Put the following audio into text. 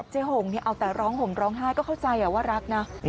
หงเอาแต่ร้องห่มร้องไห้ก็เข้าใจว่ารักนะ